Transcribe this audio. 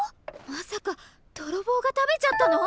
まさかどろぼうが食べちゃったの！？